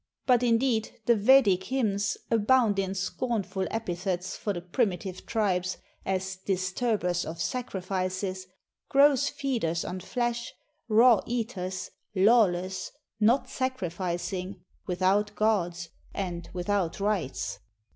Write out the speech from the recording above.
But indeed the Vedic h^inns abound in scornful epithets for the primitive tribes, as '"disturbers of sacrifices," "gross feeders on flesh," "raw eaters," "lawless." "not sacrificing," "without gods,"' and ""without rites."